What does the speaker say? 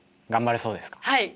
はい。